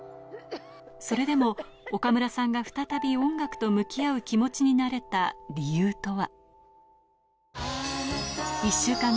それでも、岡村さんが再び音楽と向き合う気持ちになれた理由とは。